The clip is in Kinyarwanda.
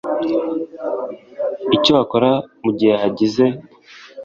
icyo wakora mu gihe hagize